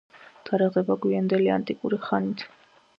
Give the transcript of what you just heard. თარიღდება გვიანდელი ანტიკური ხანით.